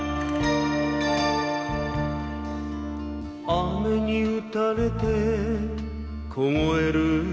「雨に打たれて凍える肩に」